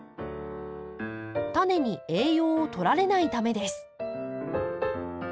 タネに栄養を取られないためです。